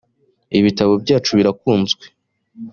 ibitabo byacu birakunzwe.